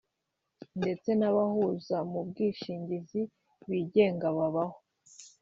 ndetse n’ abahuza mu bwishingizi bigenga babaho